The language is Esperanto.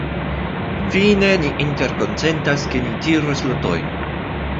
Fine ni interkonsentas, ke ni tiros lotojn.